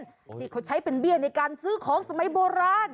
นี่เขาใช้เป็นเบี้ยในการซื้อของสมัยโบราณ